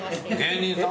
芸人さん？